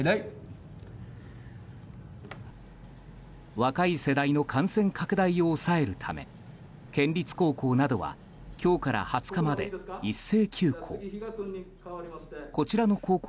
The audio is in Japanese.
若い世代の感染拡大を抑えるため県立高校などは今日から２０日まで一斉休校。